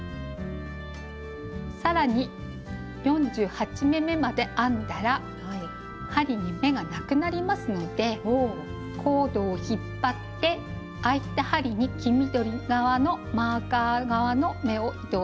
更に４８目めまで編んだら針に目がなくなりますのでコードを引っ張ってあいた針に黄緑側のマーカー側の目を移動させます。